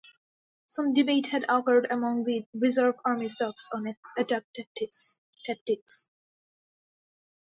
Some debate had occurred among the Reserve Army staffs on attack tactics.